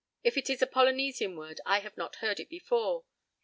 If it is a Polynesian word I have not heard it before.